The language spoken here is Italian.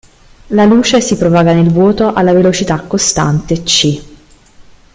La luce si propaga nel vuoto alla velocità costante c.